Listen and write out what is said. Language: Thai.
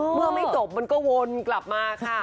เมื่อไม่จบมันก็วนกลับมาค่ะ